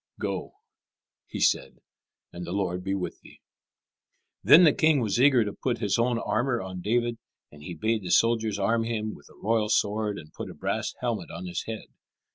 "Go," he said, "and the Lord be with thee." Then the king was eager to put his own armour on David, and he bade the soldiers arm him with the royal sword and put a brass helmet on his head.